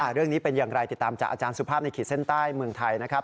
เรื่องนี้เป็นอย่างไรติดตามจากอาจารย์สุภาพในขีดเส้นใต้เมืองไทยนะครับ